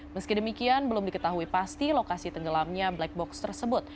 meski demikian belum diketahui pasti lokasi tenggelamnya black box tersebut